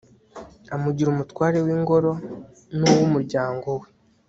amugira umutware w'ingoro n'uw'umuryango we